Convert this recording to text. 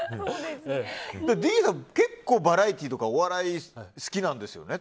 ディーンさん結構バラエティーとかお笑い好きなんですよね